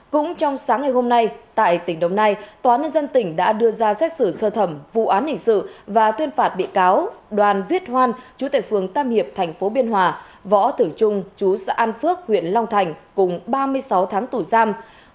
cũng trong sáng ngày hôm nay tại tỉnh đồng nai tòa nền dân tỉnh đã đưa ra xét xử sơ thẩm vụ án hình sự và tuyên phạt bị cáo đoàn viết hoan chủ tịch phường tam hiệp tp biên hòa võ thử trung chủ xã an phước huyện long thành cùng ba mươi sáu tháng tù giam